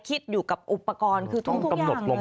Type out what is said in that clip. คิดอยู่กับอุปกรณ์คือทุกอย่างเลย